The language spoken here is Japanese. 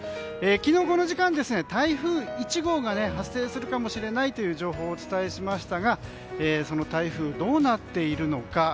昨日この時間、台風１号が発生するかもしれないという情報をお伝えしましたがその台風どうなっているのか。